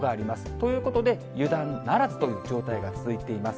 ということで、油断ならずという状態が続いています。